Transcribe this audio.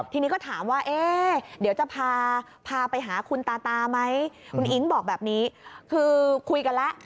ทีนี้ก็ถามว่าเอ๊ะเดี๋ยวจะพาไปหาคุณตาตาไหมคุณอิ๊งบอกแบบนี้คือคุยกันแล้ว